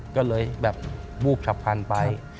ก็เลยแบบวูบชับพันไป